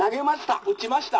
「打ちました」。